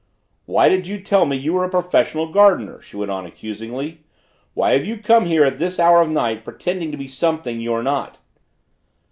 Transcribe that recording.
"Why did you tell me you were a professional gardener?" she went on accusingly. "Why have you come here at this hour of night pretending to be something you're not?"